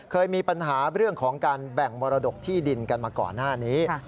เคยมีปัญหาเรื่องของการแบ่งมรดกที่ดินกันมาก่อนหน้านี้